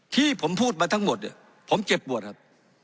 ที่ผมพูดมาทั้งหมดเนี่ยผมเจ็บปวดครับ